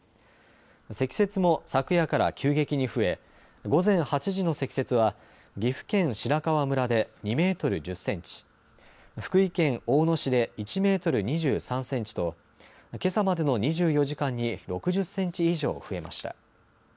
積雪も昨夜から急激に増え午前８時の積雪は岐阜県白川村で２メートル１０センチ、福井県大野市で１メートル２３センチとけさまでの２４時間に６０センチ以上増えました。